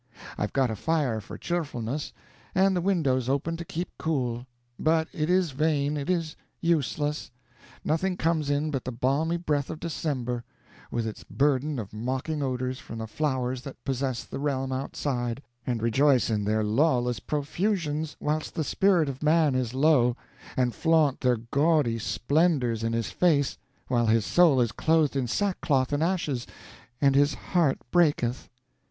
I've got a fire for cheerfulness, and the windows open to keep cool. But it is vain, it is useless: nothing comes in but the balmy breath of December, with its burden of mocking odors from the flowers that possess the realm outside, and rejoice in their lawless profusion whilst the spirit of man is low, and flaunt their gaudy splendors in his face while his soul is clothed in sackcloth and ashes and his heart breaketh."